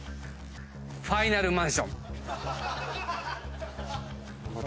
ファイナルマンション。